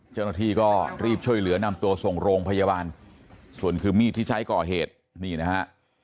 เจ้าหน้าที่ก็รีบช่วยเหลือนำตัวส่งโรงพยาบาลส่วนคือมีดที่ใช้ก่อเหตุนี่นะฮะ